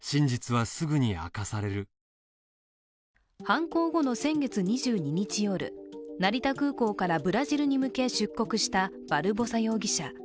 犯行後の先月２２日夜成田空港からブラジルに向け出国したバルボサ容疑者。